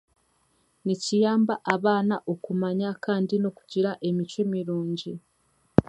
Nikiyamba abaana kumanya kandi n'okugira emicwe mirungi